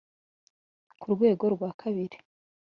ku rwego rwa kabiri,